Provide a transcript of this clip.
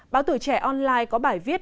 báo tử trẻ online có bài viết